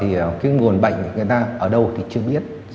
hiện giờ thì cái nguồn bệnh người ta ở đâu thì chưa biết